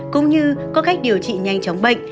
cũng như có cách điều trị nhanh chóng bệnh